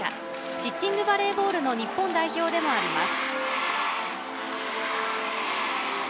シッティングバレーボールの日本代表でもあります。